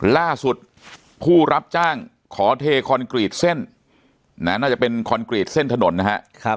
ผู้รับจ้างขอเทคอนกรีตเส้นน่าจะเป็นคอนกรีตเส้นถนนนะครับ